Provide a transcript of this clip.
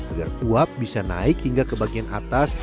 agar uap bisa naik hingga ke bagian atas